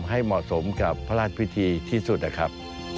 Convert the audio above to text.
ให้เหมาะสมกับพระราชพิธีที่สุดนะครับ